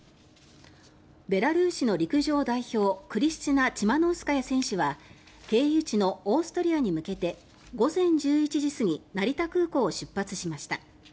ベラルーシの陸上代表クリスチナ・チマノウスカヤ選手は経由地のオーストリアに向けて午前１１時過ぎ成田空港を出発しました。